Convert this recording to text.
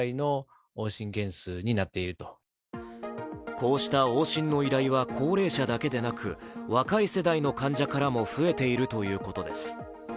こうした往診の依頼は高齢者だけでなく若い世代の患者からも増えているということです。